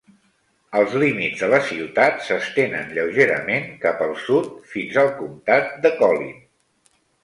Els límits de la ciutat s'estenen lleugerament cap al sud fins al comtat de Collin.